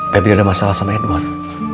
febri ada masalah sama edwan